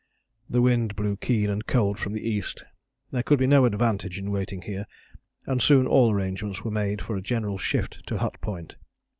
The wind blew keen and cold from the east. There could be no advantage in waiting here, and soon all arrangements were made for a general shift to Hut Point.